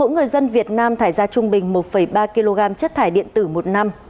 mỗi người dân việt nam thải ra trung bình một ba kg chất thải điện tử một năm